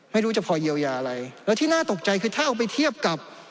ไม่รู้จะพอเยียวยาอะไรแล้วที่น่าตกใจคือถ้าเอาไปเทียบกับ